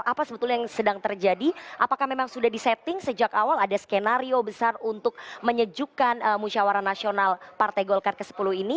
apa sebetulnya yang sedang terjadi apakah memang sudah disetting sejak awal ada skenario besar untuk menyejukkan musyawara nasional partai golkar ke sepuluh ini